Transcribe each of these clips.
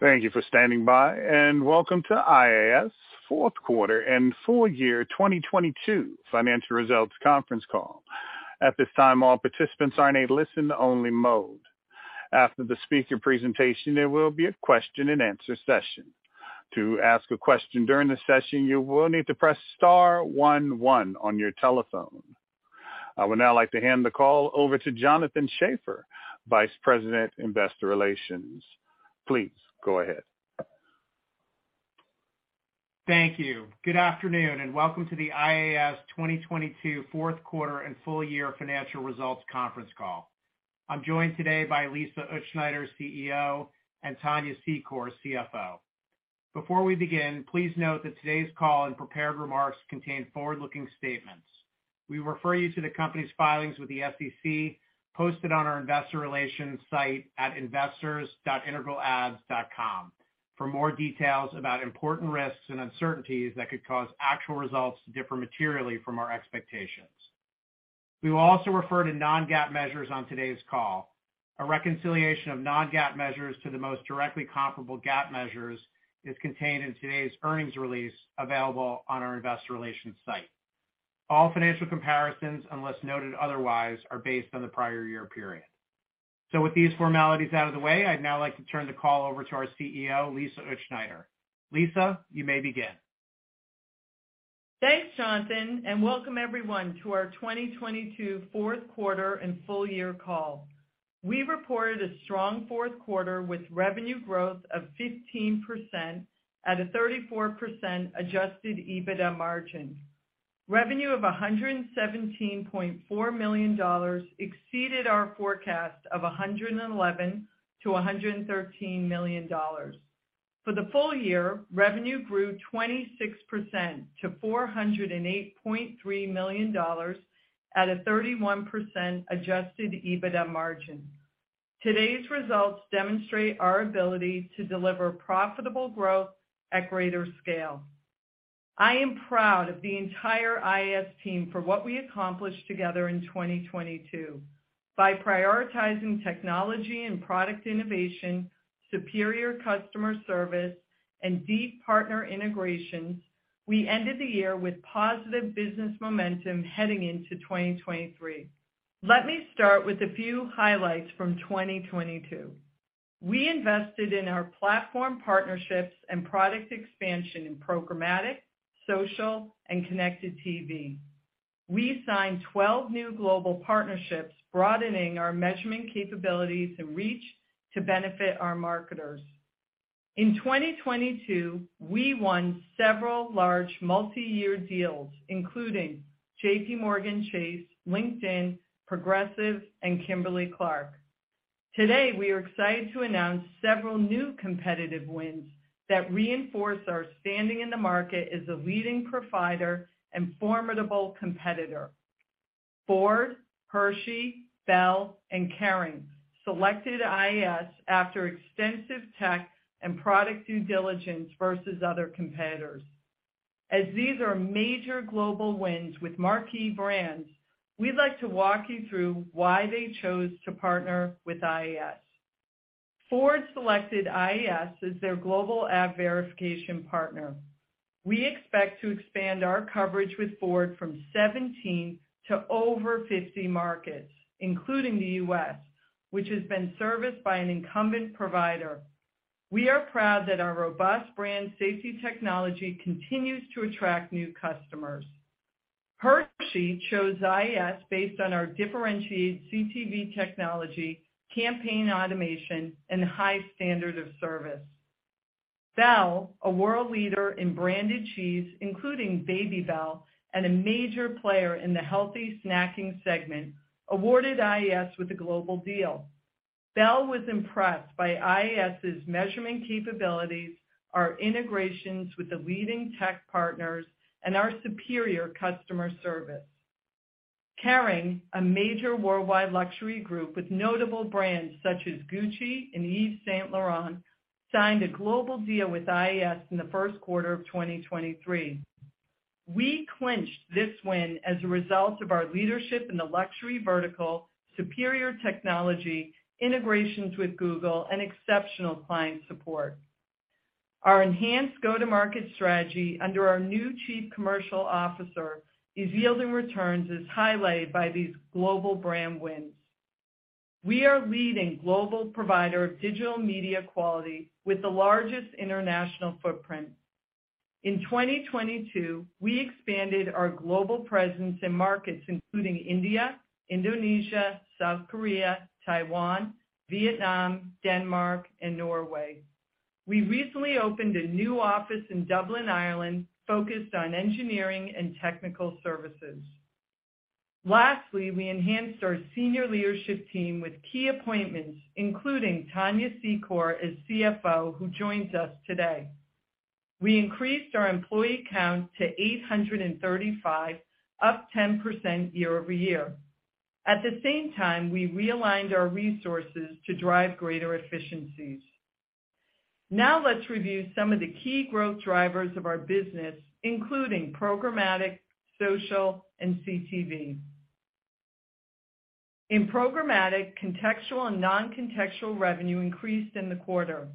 Thank you for standing by. Welcome to IAS fourth quarter and full year 2022 financial results conference call. At this time, all participants are in a listen only mode. After the speaker presentation, there will be a question and answer session. To ask a question during the session, you will need to press star one one on your telephone. I would now like to hand the call over to Jonathan Schaffer, Vice President, Investor Relations. Please go ahead. Thank you. Good afternoon, and welcome to the IAS 2022 fourth quarter and full year financial results conference call. I'm joined today by Lisa Utzschneider, CEO, and Tania Secor, CFO. Before we begin, please note that today's call and prepared remarks contain forward-looking statements. We refer you to the company's filings with the SEC posted on our investor relations site at investors.integralads.com for more details about important risks and uncertainties that could cause actual results to differ materially from our expectations. We will also refer to non-GAAP measures on today's call. A reconciliation of non-GAAP measures to the most directly comparable GAAP measures is contained in today's earnings release available on our investor relations site. All financial comparisons, unless noted otherwise, are based on the prior year period. With these formalities out of the way, I'd now like to turn the call over to our CEO, Lisa Utzschneider. Lisa, you may begin. Thanks, Jonathan, and welcome everyone to our 2022 fourth quarter and full year call. We reported a strong fourth quarter with revenue growth of 15% at a 34% adjusted EBITDA margin. Revenue of $117.4 million exceeded our forecast of $111 million-$113 million. For the full year, revenue grew 26% to $408.3 million at a 31% adjusted EBITDA margin. Today's results demonstrate our ability to deliver profitable growth at greater scale. I am proud of the entire IAS team for what we accomplished together in 2022. By prioritizing technology and product innovation, superior customer service, and deep partner integrations, we ended the year with positive business momentum heading into 2023. Let me start with a few highlights from 2022. We invested in our platform partnerships and product expansion in programmatic, social, and connected TV. We signed 12 new global partnerships, broadening our measurement capabilities and reach to benefit our marketers. In 2022, we won several large multi-year deals, including JPMorgan Chase, LinkedIn, Progressive, and Kimberly-Clark. Today, we are excited to announce several new competitive wins that reinforce our standing in the market as a leading provider and formidable competitor. Ford, Hershey, Bel, and Kering selected IAS after extensive tech and product due diligence versus other competitors. These are major global wins with marquee brands, we'd like to walk you through why they chose to partner with IAS. Ford selected IAS as their global ad verification partner. We expect to expand our coverage with Ford from 17 to over 50 markets, including the U.S., which has been serviced by an incumbent provider. We are proud that our robust brand safety technology continues to attract new customers. Hershey chose IAS based on our differentiated CTV technology, campaign automation, and high standard of service. Bel, a world leader in branded cheese, including Babybel, and a major player in the healthy snacking segment, awarded IAS with a global deal. Bel was impressed by IAS's measurement capabilities, our integrations with the leading tech partners, and our superior customer service. Kering, a major worldwide luxury group with notable brands such as Gucci and Yves Saint Laurent, signed a global deal with IAS in the first quarter of 2023. We clinched this win as a result of our leadership in the luxury vertical, superior technology, integrations with Google, and exceptional client support. Our enhanced go-to-market strategy under our new Chief Commercial Officer is yielding returns as highlighted by these global brand wins. We are leading global provider of digital media quality with the largest international footprint. In 2022, we expanded our global presence in markets including India, Indonesia, South Korea, Taiwan, Vietnam, Denmark, and Norway. We recently opened a new office in Dublin, Ireland, focused on engineering and technical services. Lastly, we enhanced our senior leadership team with key appointments, including Tania Secor as CFO, who joins us today. We increased our employee count to 835, up 10% year-over-year. At the same time, we realigned our resources to drive greater efficiencies. Now let's review some of the key growth drivers of our business, including programmatic, social, and CTV. In programmatic, contextual and non-contextual revenue increased in the quarter.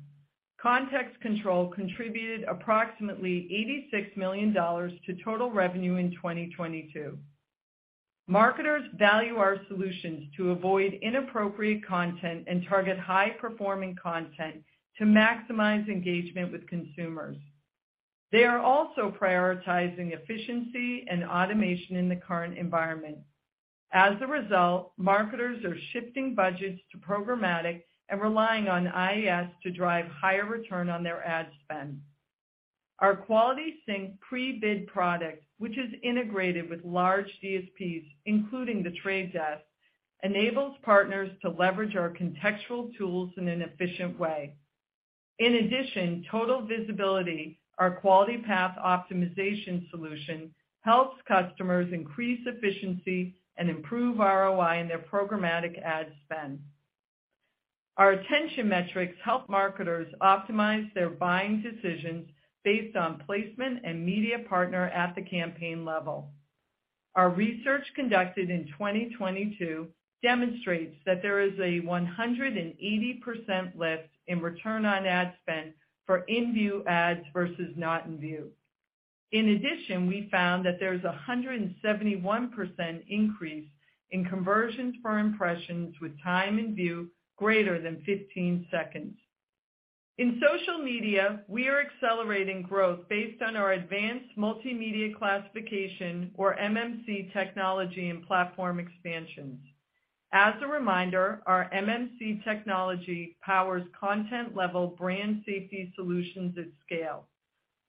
Context Control contributed approximately $86 million to total revenue in 2022. Marketers value our solutions to avoid inappropriate content and target high-performing content to maximize engagement with consumers. They are also prioritizing efficiency and automation in the current environment. Marketers are shifting budgets to programmatic and relying on IAS to drive higher return on their ad spend. Our QualitySync pre-bid product, which is integrated with large DSPs, including The Trade Desk, enables partners to leverage our contextual tools in an efficient way. Total Visibility, our quality path optimization solution, helps customers increase efficiency and improve ROI in their programmatic ad spend. Our attention metrics help marketers optimize their buying decisions based on placement and media partner at the campaign level. Our research conducted in 2022 demonstrates that there is a 180% lift in return on ad spend for in-view ads versus not in view. We found that there's a 171% increase in conversions for impressions with time in view greater than 15 seconds. We are accelerating growth based on our advanced multimedia classification or MMC technology and platform expansions. Our MMC technology powers content-level brand safety solutions at scale.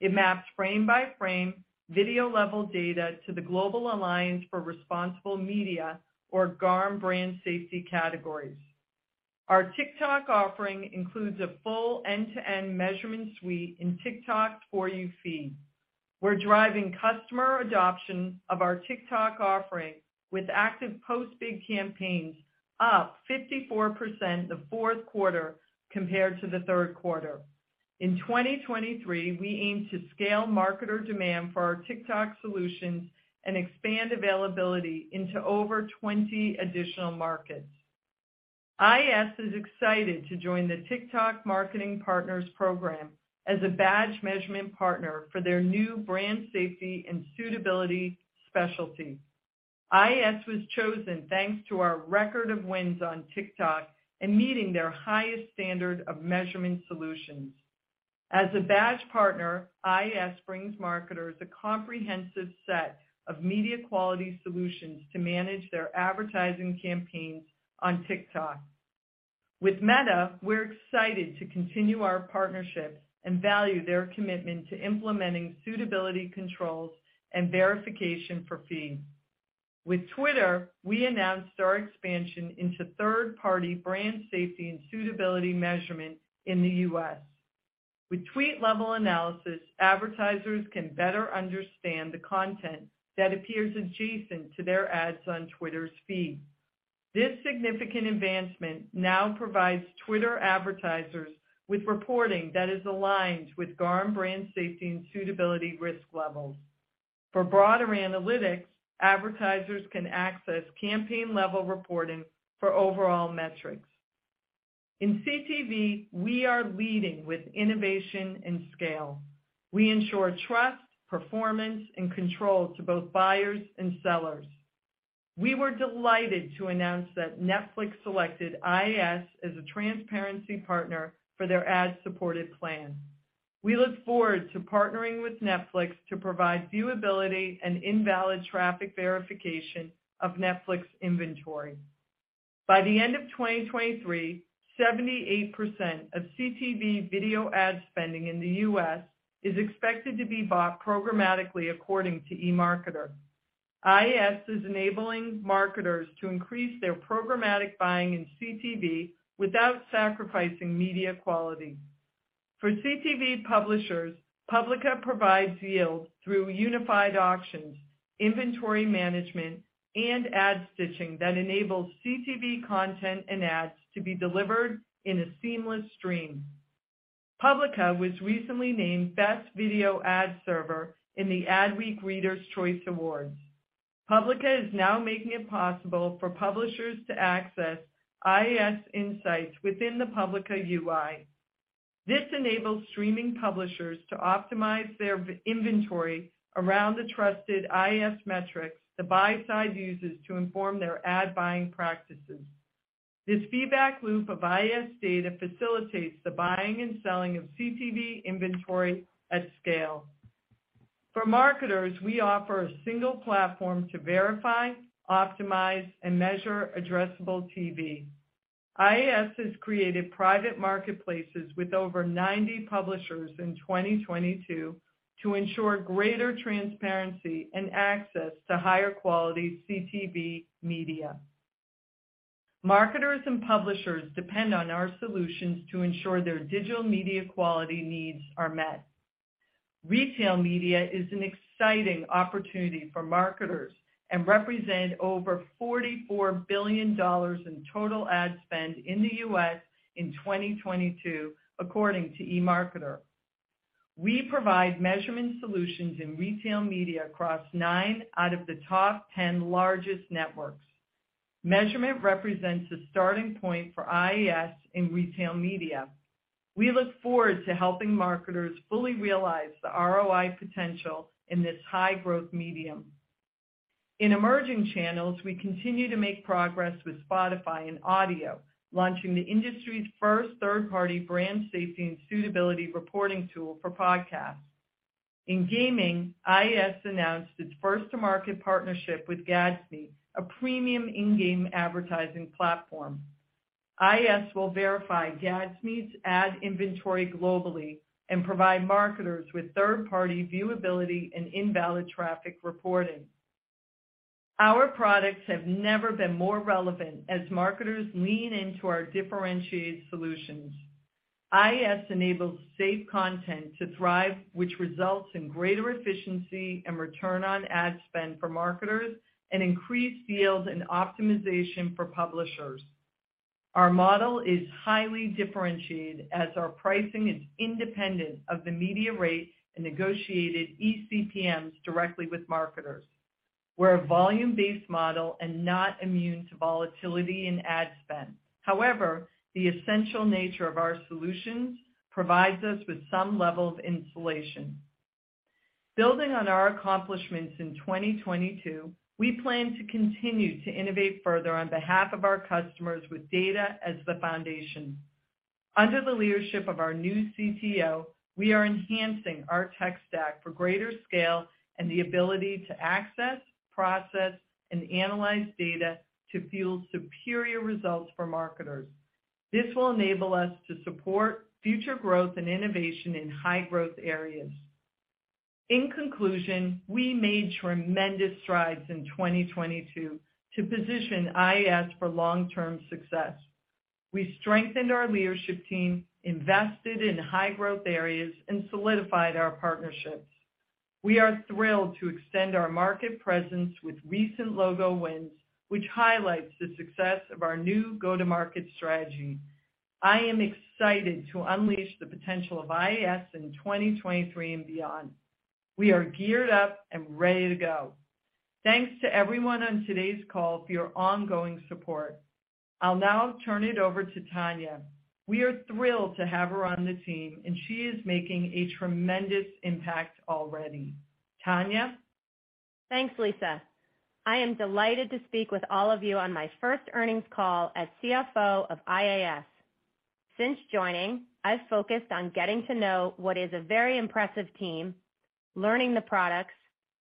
It maps frame-by-frame video-level data to the Global Alliance for Responsible Media or GARM brand safety categories. Our TikTok offering includes a full end-to-end measurement suite in TikTok's For You feed. We're driving customer adoption of our TikTok offering with active post-bid campaigns up 54% the fourth quarter compared to the third quarter. We aim to scale marketer demand for our TikTok solutions and expand availability into over 20 additional markets. IAS is excited to join the TikTok Marketing Partners program as a badge measurement partner for their new brand safety and suitability specialty. IAS was chosen thanks to our record of wins on TikTok and meeting their highest standard of measurement solutions. As a badge partner, IAS brings marketers a comprehensive set of media quality solutions to manage their advertising campaigns on TikTok. With Meta, we're excited to continue our partnerships and value their commitment to implementing suitability controls and verification for feeds. With Twitter, we announced our expansion into third-party brand safety and suitability measurement in the U.S. With tweet-level analysis, advertisers can better understand the content that appears adjacent to their ads on Twitter's feed. This significant advancement now provides Twitter advertisers with reporting that is aligned with GARM brand safety and suitability risk levels. For broader analytics, advertisers can access campaign-level reporting for overall metrics. In CTV, we are leading with innovation and scale. We ensure trust, performance, and control to both buyers and sellers. We were delighted to announce that Netflix selected IAS as a transparency partner for their ad-supported plan. We look forward to partnering with Netflix to provide viewability and invalid traffic verification of Netflix inventory. By the end of 2023, 78% of CTV video ad spending in the U.S. is expected to be bought programmatically according to EMARKETER. IAS is enabling marketers to increase their programmatic buying in CTV without sacrificing media quality. For CTV publishers, Publica provides yield through unified auctions, inventory management, and ad stitching that enables CTV content and ads to be delivered in a seamless stream. Publica was recently named Best Video Ad Server in the Adweek Readers' Choice Awards. Publica is now making it possible for publishers to access IAS insights within the Publica UI. This enables streaming publishers to optimize their inventory around the trusted IAS metrics the buy side uses to inform their ad buying practices. This feedback loop of IAS data facilitates the buying and selling of CTV inventory at scale. For marketers, we offer a single platform to verify, optimize, and measure addressable TV. IAS has created private marketplaces with over 90 publishers in 2022 to ensure greater transparency and access to higher quality CTV media. Marketers and publishers depend on our solutions to ensure their digital media quality needs are met. Retail media is an exciting opportunity for marketers and represent over $44 billion in total ad spend in the U.S. in 2022, according to EMARKETER. We provide measurement solutions in retail media across nine out of the top 10 largest networks. Measurement represents the starting point for IAS in retail media. We look forward to helping marketers fully realize the ROI potential in this high-growth medium. In emerging channels, we continue to make progress with Spotify and audio, launching the industry's first third-party brand safety and suitability reporting tool for podcasts. In gaming, IAS announced its first-to-market partnership with Frameplay, a premium in-game advertising platform. IAS will verify Frameplay's ad inventory globally and provide marketers with third-party viewability and invalid traffic reporting. Our products have never been more relevant as marketers lean into our differentiated solutions. IAS enables safe content to thrive, which results in greater efficiency and return on ad spend for marketers and increased yield and optimization for publishers. Our model is highly differentiated as our pricing is independent of the media rate and negotiated eCPMs directly with marketers. We're a volume-based model and not immune to volatility in ad spend. However, the essential nature of our solutions provides us with some level of insulation. Building on our accomplishments in 2022, we plan to continue to innovate further on behalf of our customers with data as the foundation. Under the leadership of our new CTO, we are enhancing our tech stack for greater scale and the ability to access, process, and analyze data to fuel superior results for marketers. This will enable us to support future growth and innovation in high-growth areas. In conclusion, we made tremendous strides in 2022 to position IAS for long-term success. We strengthened our leadership team, invested in high-growth areas, and solidified our partnerships. We are thrilled to extend our market presence with recent logo wins, which highlights the success of our new go-to-market strategy. I am excited to unleash the potential of IAS in 2023 and beyond. We are geared up and ready to go. Thanks to everyone on today's call for your ongoing support. I'll now turn it over to Tania. We are thrilled to have her on the team, and she is making a tremendous impact already. Tania? Thanks, Lisa. I am delighted to speak with all of you on my first earnings call as CFO of IAS. Since joining, I've focused on getting to know what is a very impressive team, learning the products,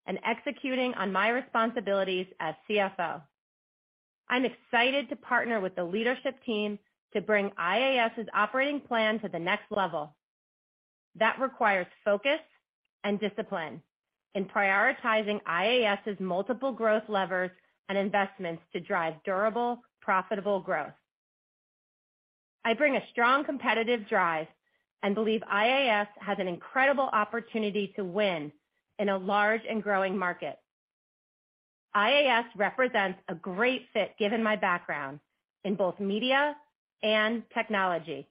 and executing on my responsibilities as CFO. I'm excited to partner with the leadership team to bring IAS' operating plan to the next level. That requires focus and discipline in prioritizing IAS' multiple growth levers and investments to drive durable, profitable growth. I bring a strong competitive drive and believe IAS has an incredible opportunity to win in a large and growing market. IAS represents a great fit, given my background in both media and technology.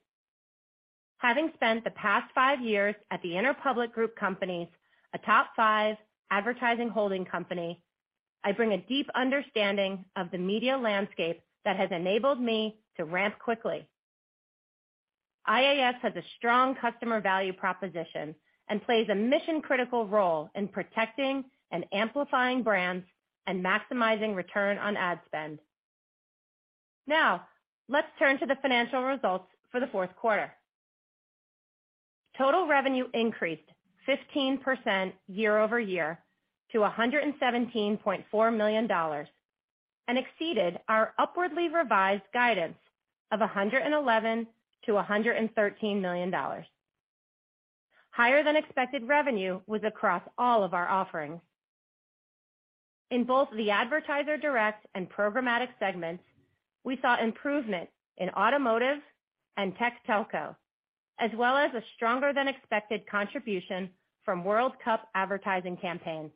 Having spent the past five years at The Interpublic Group of Companies, a top five advertising holding company, I bring a deep understanding of the media landscape that has enabled me to ramp quickly. IAS has a strong customer value proposition and plays a mission-critical role in protecting and amplifying brands and maximizing return on ad spend. Now, let's turn to the financial results for the fourth quarter. Total revenue increased 15% year-over-year to $117.4 million and exceeded our upwardly revised guidance of $111 million-$113 million. Higher than expected revenue was across all of our offerings. In both the advertiser direct and programmatic segments, we saw improvement in automotive and tech telco, as well as a stronger than expected contribution from World Cup advertising campaigns.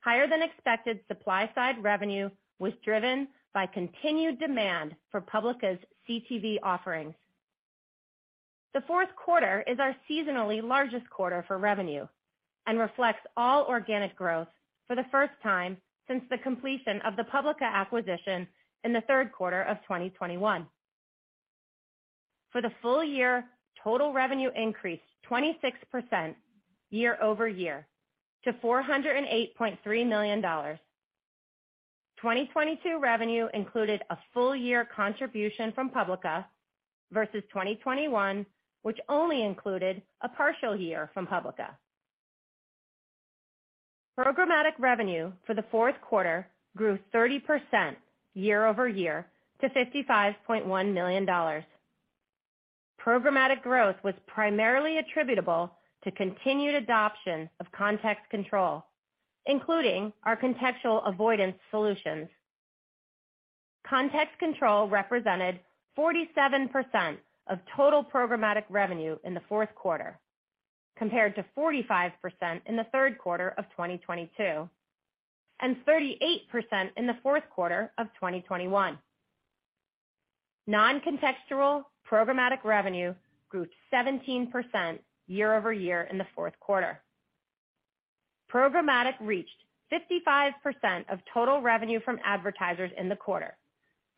Higher than expected supply-side revenue was driven by continued demand for Publica's CTV offerings. The fourth quarter is our seasonally largest quarter for revenue and reflects all organic growth for the first time since the completion of the Publica acquisition in the third quarter of 2021. For the full year, total revenue increased 26% year-over-year to $408.3 million. 2022 revenue included a full year contribution from Publica versus 2021, which only included a partial year from Publica. Programmatic revenue for the fourth quarter grew 30% year-over-year to $55.1 million. Programmatic growth was primarily attributable to continued adoption of Context Control, including our contextual avoidance solutions. Context Control represented 47% of total programmatic revenue in the fourth quarter, compared to 45% in the third quarter of 2022 and 38% in the fourth quarter of 2021. Non-contextual programmatic revenue grew 17% year-over-year in the fourth quarter. Programmatic reached 55% of total revenue from advertisers in the quarter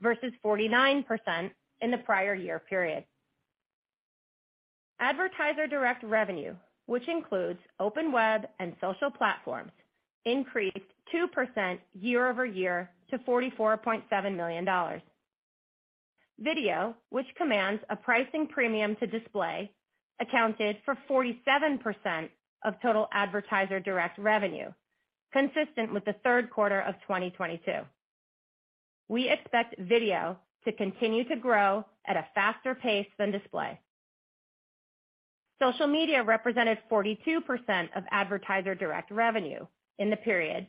versus 49% in the prior year period. Advertiser direct revenue, which includes open web and social platforms, increased 2% year-over-year to $44.7 million. Video, which commands a pricing premium to display, accounted for 47% of total advertiser direct revenue, consistent with the third quarter of 2022. We expect video to continue to grow at a faster pace than display. Social media represented 42% of advertiser direct revenue in the period,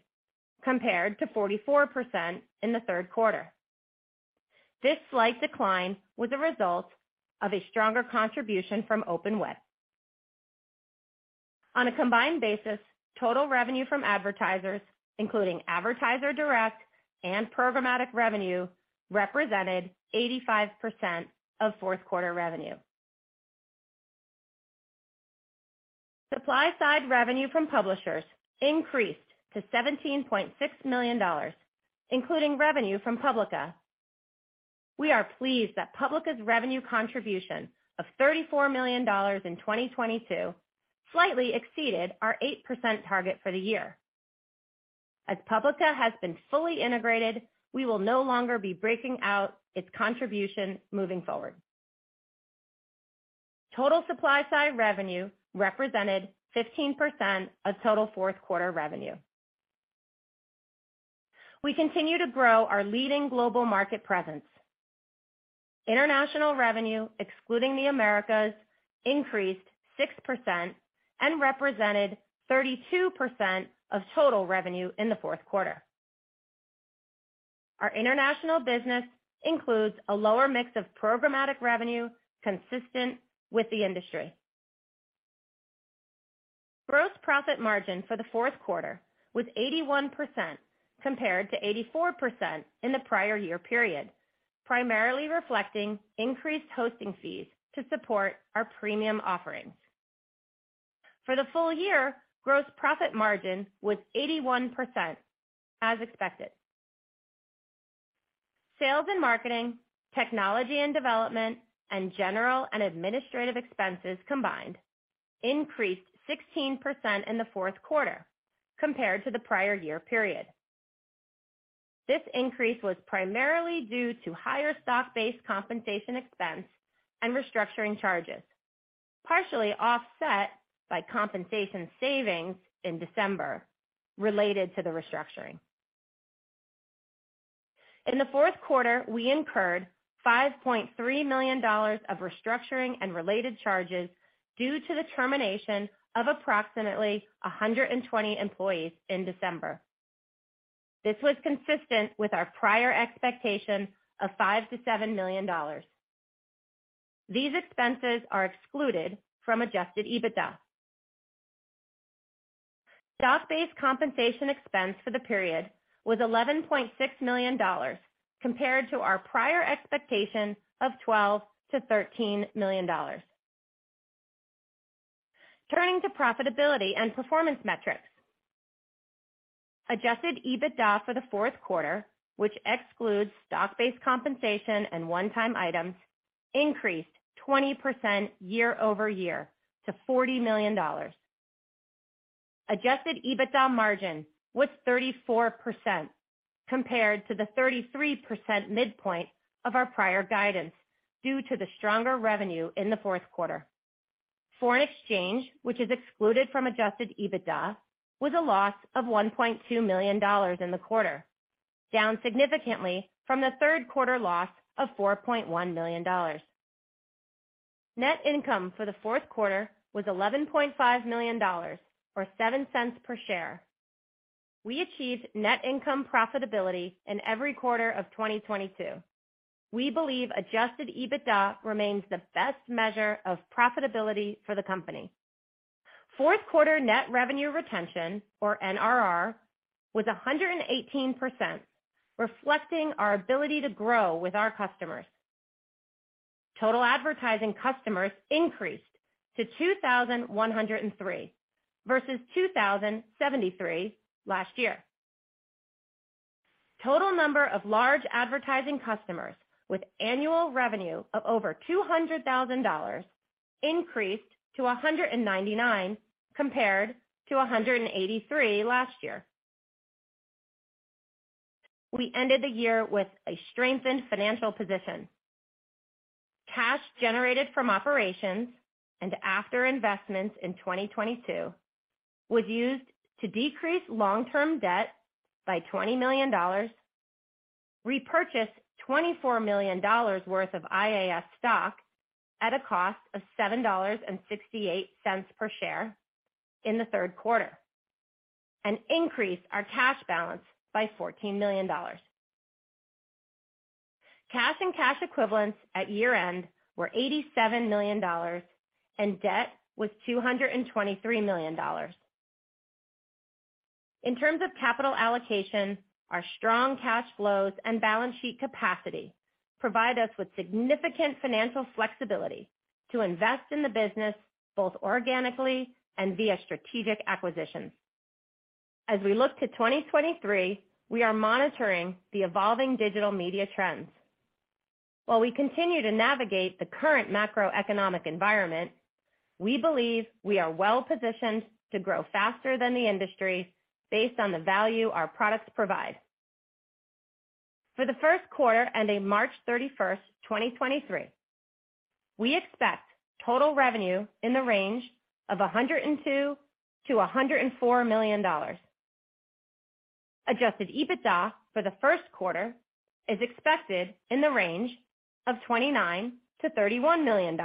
compared to 44% in the third quarter. This slight decline was a result of a stronger contribution from open web. On a combined basis, total revenue from advertisers, including advertiser direct and programmatic revenue, represented 85% of fourth quarter revenue. Supply-side revenue from publishers increased to $17.6 million, including revenue from Publica. We are pleased that Publica's revenue contribution of $34 million in 2022 slightly exceeded our 8% target for the year. Publica has been fully integrated, we will no longer be breaking out its contribution moving forward. Total supply-side revenue represented 15% of total fourth quarter revenue. We continue to grow our leading global market presence. International revenue, excluding the Americas, increased 6% and represented 32% of total revenue in the fourth quarter. Our international business includes a lower mix of programmatic revenue consistent with the industry. Gross profit margin for the fourth quarter was 81% compared to 84% in the prior year period, primarily reflecting increased hosting fees to support our premium offerings. For the full year, gross profit margin was 81% as expected. Sales and marketing, technology and development, and general and administrative expenses combined increased 16% in the fourth quarter compared to the prior year period. This increase was primarily due to higher stock-based compensation expense and restructuring charges, partially offset by compensation savings in December related to the restructuring. In the fourth quarter, we incurred $5.3 million of restructuring and related charges due to the termination of approximately 120 employees in December. This was consistent with our prior expectation of $5 million-$7 million. These expenses are excluded from adjusted EBITDA. Stock-based compensation expense for the period was $11.6 million compared to our prior expectation of $12 million-$13 million. Turning to profitability and performance metrics. Adjusted EBITDA for the fourth quarter, which excludes stock-based compensation and one-time items, increased 20% year-over-year to $40 million. Adjusted EBITDA margin was 34% compared to the 33% midpoint of our prior guidance due to the stronger revenue in the fourth quarter. Foreign exchange, which is excluded from adjusted EBITDA, was a loss of $1.2 million in the quarter, down significantly from the third quarter loss of $4.1 million. Net income for the fourth quarter was $11.5 million or $0.07 per share. We achieved net income profitability in every quarter of 2022. We believe adjusted EBITDA remains the best measure of profitability for the company. Fourth quarter net revenue retention, or NRR, was 118%, reflecting our ability to grow with our customers. Total advertising customers increased to 2,103 versus 2,073 last year. Total number of large advertising customers with annual revenue of over $200,000 increased to 199 compared to 183 last year. We ended the year with a strengthened financial position. Cash generated from operations and after investments in 2022 was used to decrease long-term debt by $20 million, repurchase $24 million worth of IAS stock at a cost of $7.68 per share in the third quarter, and increase our cash balance by $14 million. Cash and cash equivalents at year-end were $87 million, and debt was $223 million. In terms of capital allocation, our strong cash flows and balance sheet capacity provide us with significant financial flexibility to invest in the business, both organically and via strategic acquisitions. As we look to 2023, we are monitoring the evolving digital media trends. While we continue to navigate the current macroeconomic environment, we believe we are well-positioned to grow faster than the industry based on the value our products provide. For the first quarter ending March 31st, 2023, we expect total revenue in the range of $102 million-$104 million. Adjusted EBITDA for the first quarter is expected in the range of $29 million-$31 million.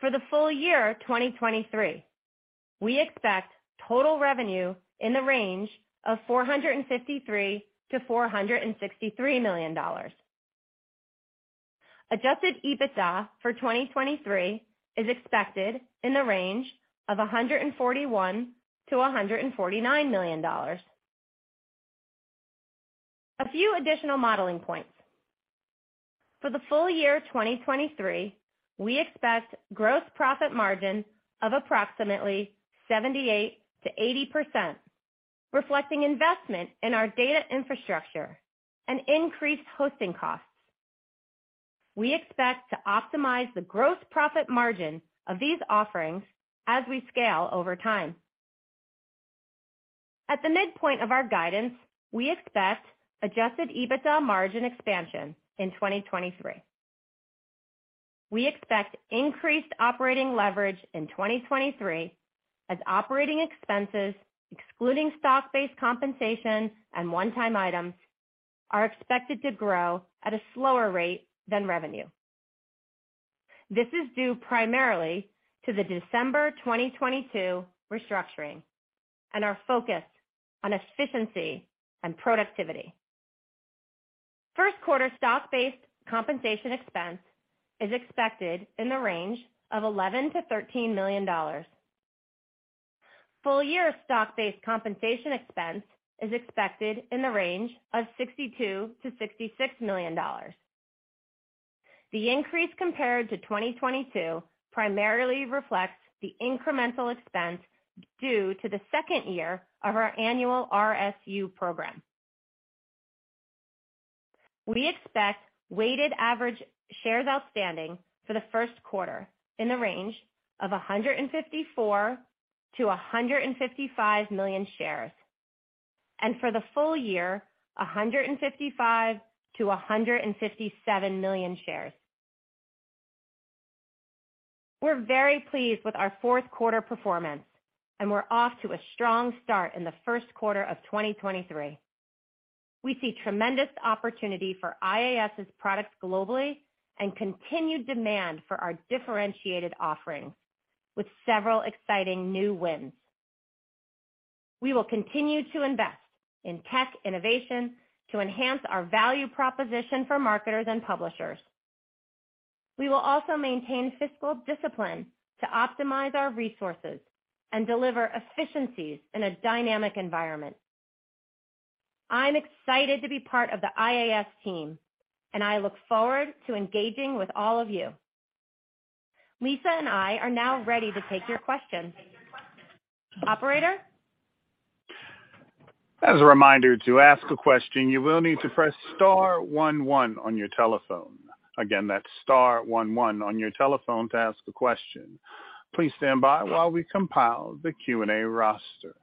For the full year 2023, we expect total revenue in the range of $453 million-$463 million. Adjusted EBITDA for 2023 is expected in the range of $141 million-$149 million. A few additional modeling points. For the full year 2023, we expect gross profit margin of approximately 78%-80%, reflecting investment in our data infrastructure and increased hosting costs. We expect to optimize the gross profit margin of these offerings as we scale over time. At the midpoint of our guidance, we expect Adjusted EBITDA margin expansion in 2023. We expect increased operating leverage in 2023 as operating expenses, excluding stock-based compensation and one-time items, are expected to grow at a slower rate than revenue. This is due primarily to the December 2022 restructuring and our focus on efficiency and productivity. first quarter stock-based compensation expense is expected in the range of $11 million-$13 million. Full year stock-based compensation expense is expected in the range of $62 million-$66 million. The increase compared to 2022 primarily reflects the incremental expense due to the second year of our annual RSU program. We expect weighted average shares outstanding for the first quarter in the range of 154 million-155 million shares. For the full year, 155 million-157 million shares. We're very pleased with our fourth quarter performance, and we're off to a strong start in the first quarter of 2023. We see tremendous opportunity for IAS's products globally and continued demand for our differentiated offerings with several exciting new wins. We will continue to invest in tech innovation to enhance our value proposition for marketers and publishers. We will also maintain fiscal discipline to optimize our resources and deliver efficiencies in a dynamic environment. I'm excited to be part of the IAS team, and I look forward to engaging with all of you. Lisa and I are now ready to take your questions. Operator? As a reminder, to ask a question, you will need to press star one one on your telephone. Again, that's star one one on your telephone to ask a question. Please stand by while we compile the Q&A roster.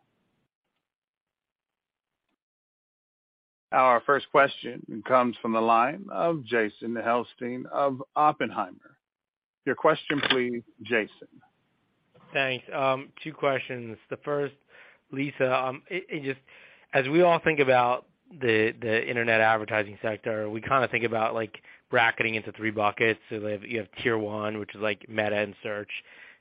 Our first question comes from the line of Jason Helfstein of Oppenheimer. Your question please, Jason. Thanks. Two questions. The first, Lisa, just as we all think about the internet advertising sector, we kinda think about, like, bracketing into three buckets. Like you have tier one, which is like Meta and search.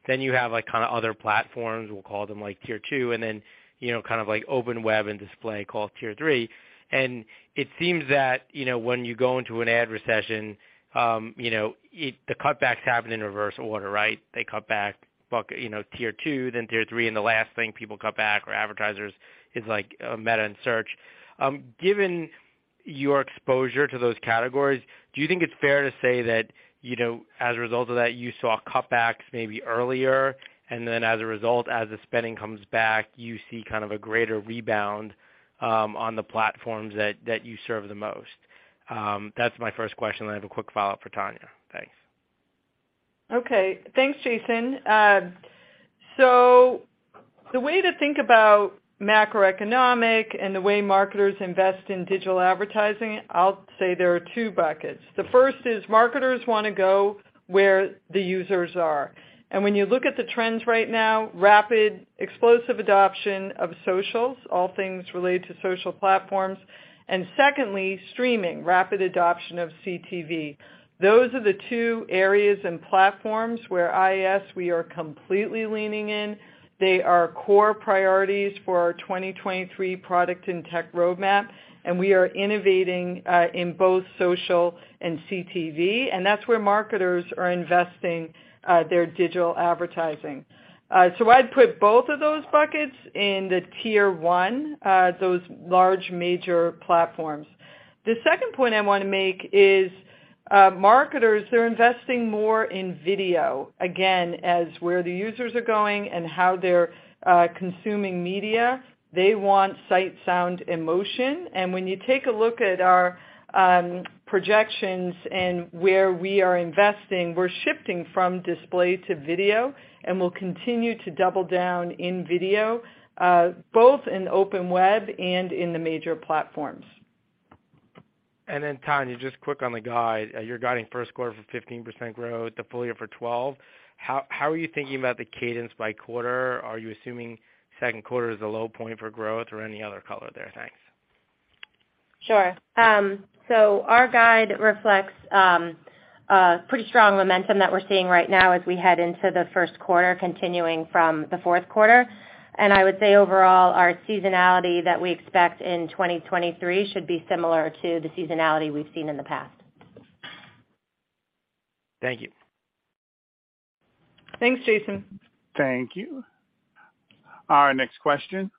You have, like, kinda other platforms, we'll call them, like, tier two, and then, you know, kind of like open web and display called tier three. It seems that, you know, when you go into an ad recession, you know, the cutbacks happen in reverse order, right? They cut back bucket, you know, tier two, then tier three, and the last thing people cut back or advertisers is, like, Meta and search. Given your exposure to those categories, do you think it's fair to say that, you know, as a result of that, you saw cutbacks maybe earlier, and then as a result, as the spending comes back, you see kind of a greater rebound on the platforms that you serve the most? That's my first question. I have a quick follow-up for Tania. Thanks. Okay. Thanks, Jason. The way to think about macroeconomic and the way marketers invest in digital advertising, I'll say there are two buckets. The first is marketers wanna go where the users are. When you look at the trends right now, rapid explosive adoption of socials, all things related to social platforms. Secondly, streaming, rapid adoption of CTV. Those are the two areas and platforms where IAS, we are completely leaning in. They are core priorities for our 2023 product and tech roadmap, and we are innovating in both social and CTV, and that's where marketers are investing their digital advertising. I'd put both of those buckets in the tier one, those large major platforms. The second point I wanna make is Marketers, they're investing more in video, again, as where the users are going and how they're consuming media. They want sight, sound, emotion. When you take a look at our projections and where we are investing, we're shifting from display to video, and we'll continue to double down in video, both in open web and in the major platforms. Tania, just quick on the guide. You're guiding first quarter for 15% growth, the full year for 12%. How, how are you thinking about the cadence by quarter? Are you assuming second quarter is a low point for growth or any other color there? Thanks. Sure. Our guide reflects a pretty strong momentum that we're seeing right now as we head into the first quarter, continuing from the fourth quarter. I would say overall, our seasonality that we expect in 2023 should be similar to the seasonality we've seen in the past. Thank you. Thanks, Jason Helfstein. Thank you. Our next question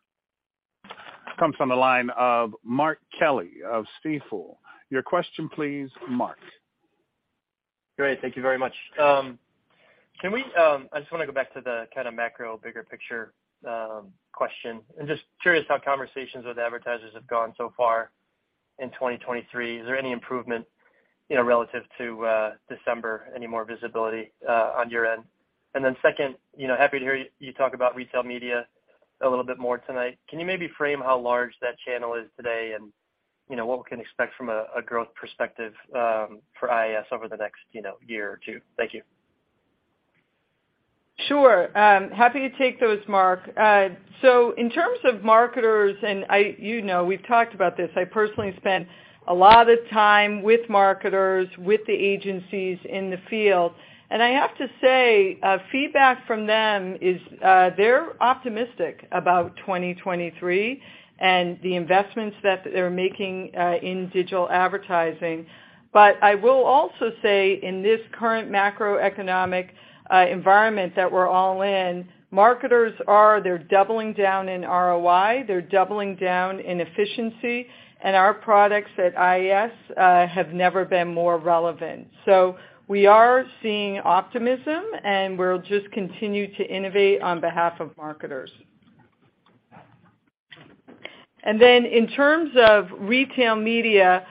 comes from the line of Mark Kelley of Stifel. Your question, please, Mark. Great. Thank you very much. I just wanna go back to the kinda macro, bigger picture question. I'm just curious how conversations with advertisers have gone so far in 2023. Is there any improvement, you know, relative to December? Any more visibility on your end? Second, you know, happy to hear you talk about retail media a little bit more tonight. Can you maybe frame how large that channel is today and, you know, what we can expect from a growth perspective for IAS over the next, you know, year or two? Thank you. Sure. Happy to take those, Mark Kelley. In terms of marketers, you know, we've talked about this. I personally spent a lot of time with marketers, with the agencies in the field, and I have to say, feedback from them is, they're optimistic about 2023 and the investments that they're making in digital advertising. I will also say in this current macroeconomic environment that we're all in, marketers are, they're doubling down in ROI, they're doubling down in efficiency, and our products at IAS have never been more relevant. We are seeing optimism, and we'll just continue to innovate on behalf of marketers. In terms of retail media,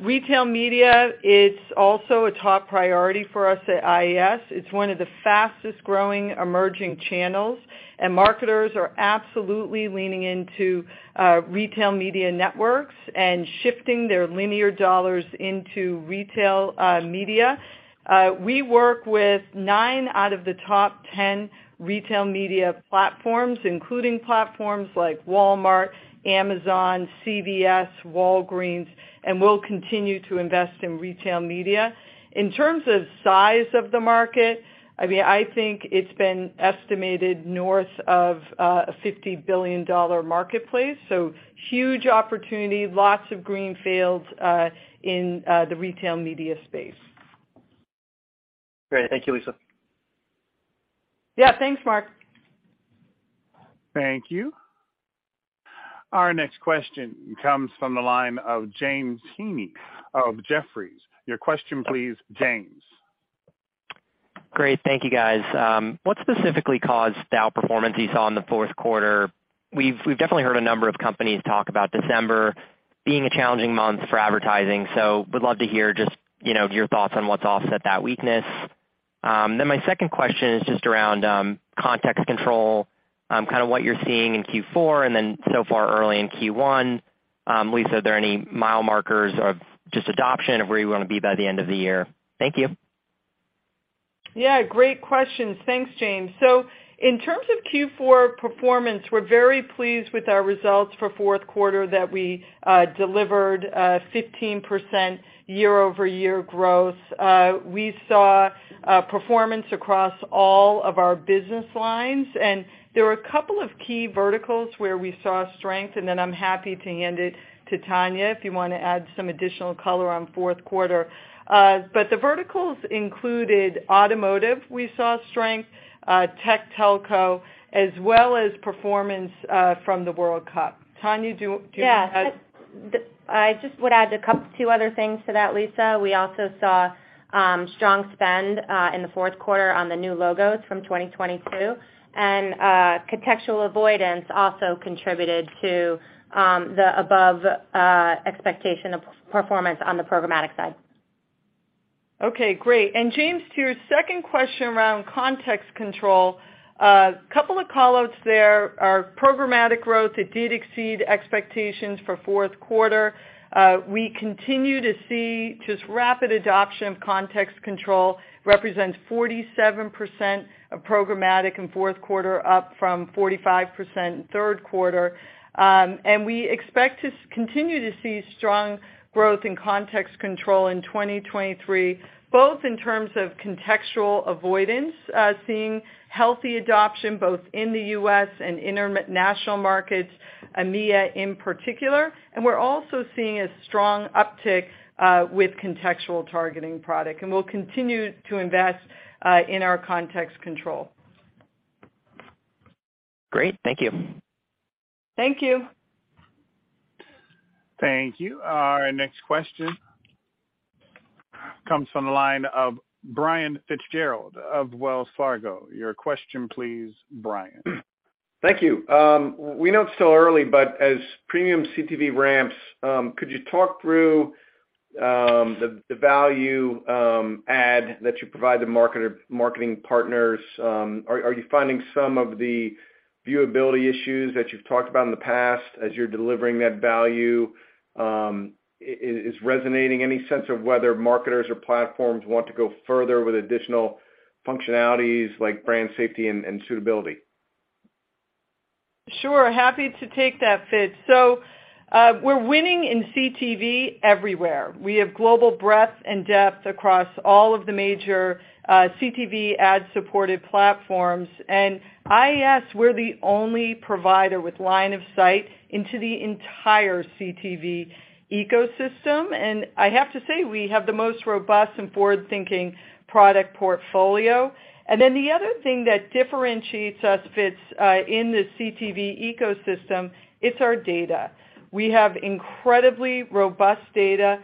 retail media is also a top priority for us at IAS. It's one of the fastest-growing emerging channels, and marketers are absolutely leaning into retail media networks and shifting their linear dollars into retail media. We work with nine out of the top 10 retail media platforms, including platforms like Walmart, Amazon, CVS, Walgreens, and we'll continue to invest in retail media. In terms of size of the market, I mean, I think it's been estimated north of a $50 billion marketplace, so huge opportunity, lots of greenfields in the retail media space. Great. Thank you, Lisa. Yeah, thanks, Mark. Thank you. Our next question comes from the line of James Heaney of Jefferies. Your question please, James. Great. Thank you, guys. What specifically caused the outperformance you saw in the fourth quarter? We've definitely heard a number of companies talk about December being a challenging month for advertising, so would love to hear just, you know, your thoughts on what's offset that weakness. My second question is just around Context Control, kinda what you're seeing in Q4 and then so far early in Q1. Lisa, are there any mile markers of just adoption of where you wanna be by the end of the year? Thank you. Great questions. Thanks, James. In terms of Q4 performance, we're very pleased with our results for fourth quarter that we delivered 15% year-over-year growth. We saw performance across all of our business lines, and there were a couple of key verticals where we saw strength, and then I'm happy to hand it to Tania if you wanna add some additional color on fourth quarter. The verticals included automotive, we saw strength, tech telco, as well as performance from the World Cup. Tania, do you wanna add? Yeah. I just would add two other things to that, Lisa. We also saw strong spend in the fourth quarter on the new logos from 2022. Contextual avoidance also contributed to the above expectation of performance on the programmatic side. Okay, great. James, to your second question around Context Control, couple of callouts there. Our programmatic growth, it did exceed expectations for fourth quarter. We continue to see just rapid adoption of Context Control, represents 47% of programmatic in fourth quarter, up from 45% in third quarter. We expect to continue to see strong growth in Context Control in 2023, both in terms of contextual avoidance, seeing healthy adoption both in the U.S. and international markets, EMEA in particular. We're also seeing a strong uptick with contextual targeting product, and we'll continue to invest in our Context Control. Great. Thank you. Thank you. Thank you. Our next question comes from the line of Brian FitzGerald of Wells Fargo. Your question please, Brian. Thank you. We know it's still early, as premium CTV ramps, could you talk through, the value-add that you provide the marketing partners? Are you finding some of the viewability issues that you've talked about in the past as you're delivering that value, is resonating any sense of whether marketers or platforms want to go further with additional functionalities like brand safety and suitability? Sure. Happy to take that, Fitz. We're winning in CTV everywhere. We have global breadth and depth across all of the major CTV ad-supported platforms. IAS, we're the only provider with line of sight into the entire CTV ecosystem. I have to say, we have the most robust and forward-thinking product portfolio. The other thing that differentiates us, Fitz, in this CTV ecosystem, it's our data. We have incredibly robust data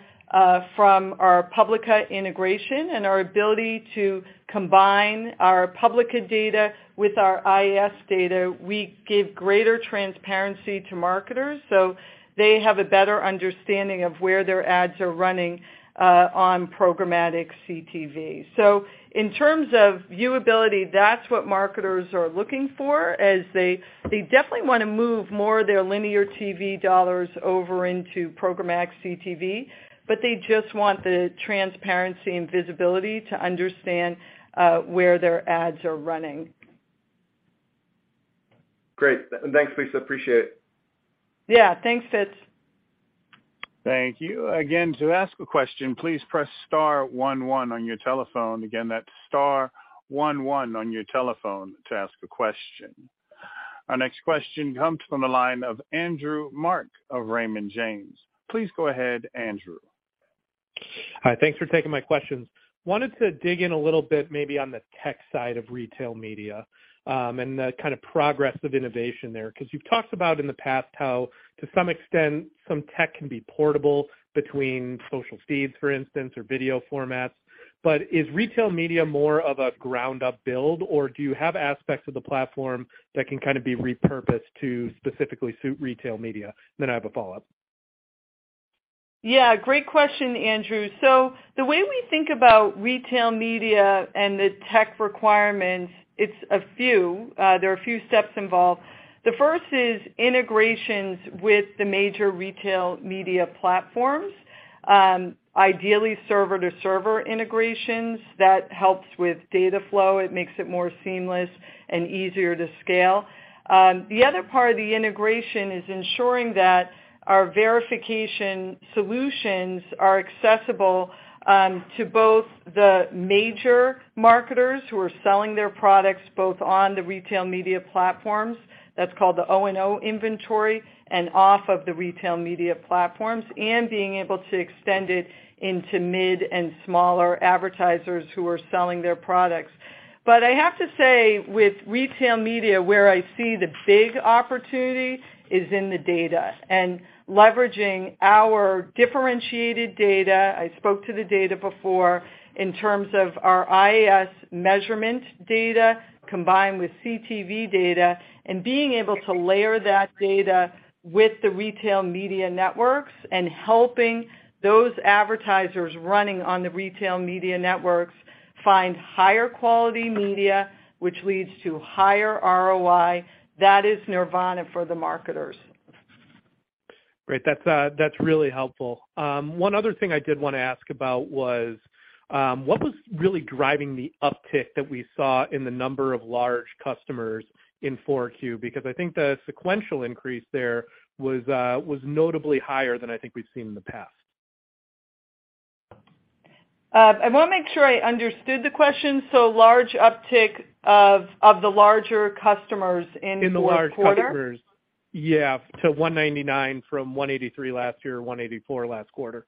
from our Publica integration and our ability to combine our Publica data with our IAS data. We give greater transparency to marketers, so they have a better understanding of where their ads are running on programmatic CTV. In terms of viewability, that's what marketers are looking for as they definitely wanna move more of their linear TV dollars over into programmatic CTV, but they just want the transparency and visibility to understand where their ads are running. Great. Thanks, Lisa. Appreciate it. Yeah. Thanks, Fitz. Thank you. Again, to ask a question, please press star one one on your telephone. Again, that's star one one on your telephone to ask a question. Our next question comes from the line of Andrew Marok of Raymond James. Please go ahead, Andrew. Hi. Thanks for taking my questions. Wanted to dig in a little bit maybe on the tech side of retail media, and the kinda progress of innovation there. 'Cause you've talked about in the past how to some extent some tech can be portable between social feeds, for instance, or video formats. Is retail media more of a ground up build, or do you have aspects of the platform that can kind of be repurposed to specifically suit retail media? I have a follow-up. Yeah, great question, Andrew. The way we think about retail media and the tech requirements, it's a few. There are a few steps involved. The first is integrations with the major retail media platforms, ideally server to server integrations. That helps with data flow. It makes it more seamless and easier to scale. The other part of the integration is ensuring that our verification solutions are accessible to both the major marketers who are selling their products, both on the retail media platforms, that's called the O&O inventory, and off of the retail media platforms, and being able to extend it into mid and smaller advertisers who are selling their products. I have to say, with retail media, where I see the big opportunity is in the data. Leveraging our differentiated data, I spoke to the data before, in terms of our IAS measurement data combined with CTV data, and being able to layer that data with the retail media networks and helping those advertisers running on the retail media networks find higher quality media, which leads to higher ROI, that is nirvana for the marketers. Great. That's really helpful. One other thing I did wanna ask about was, what was really driving the uptick that we saw in the number of large customers in 4Q? I think the sequential increase there was notably higher than I think we've seen in the past. I wanna make sure I understood the question. large uptick of the larger customers in fourth quarter? In the large customers. Yeah. To $199 from $183 last year, $184 last quarter.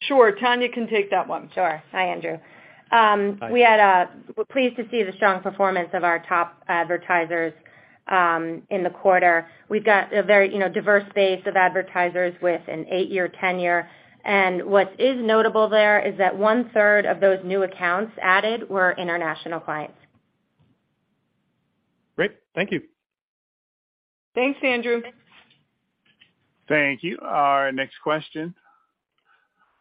Sure. Tania can take that one. Sure. Hi, Andrew. Hi. We're pleased to see the strong performance of our top advertisers in the quarter. We've got a very, you know, diverse base of advertisers with an eight-year tenure. What is notable there is that one-third of those new accounts added were international clients. Great. Thank you. Thanks, Andrew Marok. Thank you. Our next question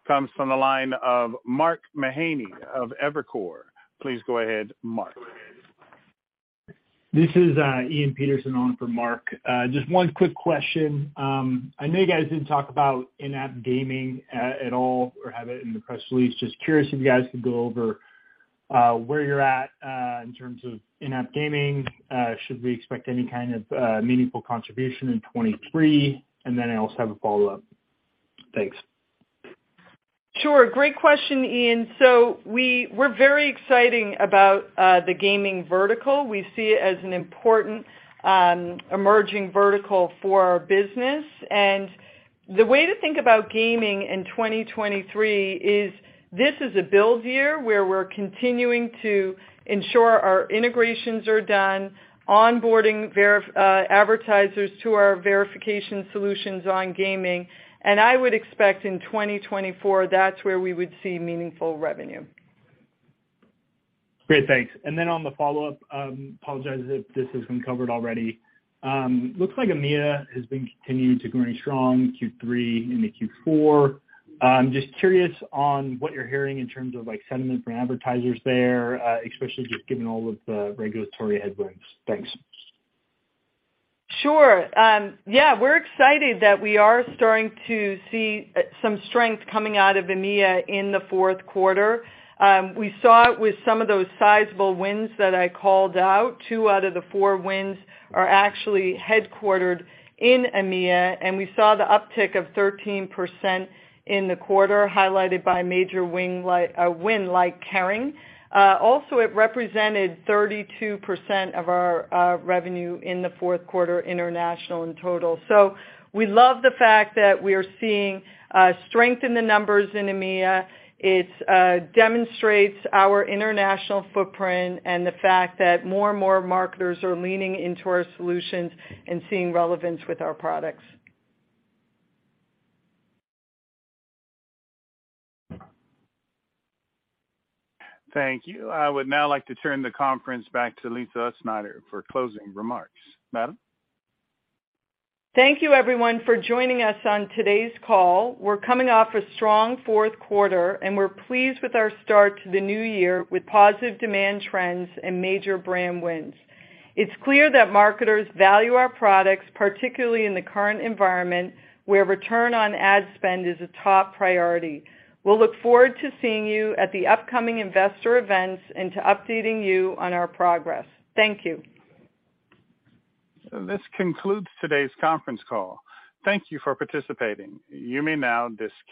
comes from the line of Mark Mahaney of Evercore. Please go ahead, Mark. This is Ian Peterson on for Mark. Just one quick question. I know you guys didn't talk about in-app gaming at all or have it in the press release. Just curious if you guys could go over where you're at in terms of in-app gaming. Should we expect any kind of meaningful contribution in 23? I also have a follow-up. Thanks. Sure. Great question, Ian. We're very exciting about the gaming vertical. We see it as an important emerging vertical for our business. The way to think about gaming in 2023 is this is a build year where we're continuing to ensure our integrations are done, onboarding advertisers to our verification solutions on gaming. I would expect in 2024, that's where we would see meaningful revenue. Great. Thanks. On the follow-up, apologize if this has been covered already. Looks like EMEA has been continuing to grow strong Q3 into Q4. Just curious on what you're hearing in terms of, like, sentiment from advertisers there, especially just given all of the regulatory headwinds? Thanks. Sure. We're excited that we are starting to see some strength coming out of EMEA in the fourth quarter. We saw it with some of those sizable wins that I called out. Two out of the four wins are actually headquartered in EMEA, and we saw the uptick of 13% in the quarter, highlighted by a major win like Kering. Also, it represented 32% of our revenue in the fourth quarter international in total. We love the fact that we are seeing strength in the numbers in EMEA. It demonstrates our international footprint and the fact that more and more marketers are leaning into our solutions and seeing relevance with our products. Thank you. I would now like to turn the conference back to Lisa Utzschneider for closing remarks. Madam? Thank you everyone for joining us on today's call. We're coming off a strong fourth quarter, and we're pleased with our start to the new year with positive demand trends and major brand wins. It's clear that marketers value our products, particularly in the current environment, where return on ad spend is a top priority. We'll look forward to seeing you at the upcoming investor events and to updating you on our progress. Thank you. This concludes today's conference call. Thank you for participating. You may now disconnect.